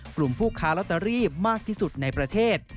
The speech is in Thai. กลุ่มผู้ค้าลอตเตอรี่มากที่สุดในประเทศ